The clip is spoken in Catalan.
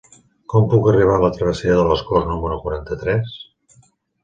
Com puc arribar a la travessera de les Corts número quaranta-tres?